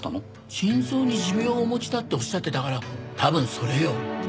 心臓に持病をお持ちだっておっしゃってたから多分それよ。